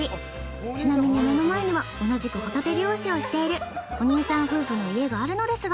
ちなみに目の前には同じくホタテ漁師をしているお兄さん夫婦の家があるのですが。